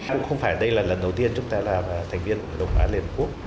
cũng không phải đây là lần đầu tiên chúng ta là thành viên hội đồng bảo an liên hợp quốc